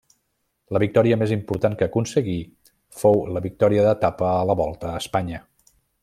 La victòria més important que aconseguí fou la victòria d'etapa a la Volta a Espanya.